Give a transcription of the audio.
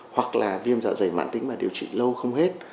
hoặc là viêm dạ dày mạn tính mà điều trị lâu không hết